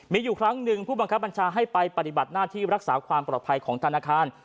มีอยู่ครั้งหนึ่งผู้บังคับบัญชาให้ไปปฏิบัติหน้าที่รักษาความปลอดภัยของธนาคาร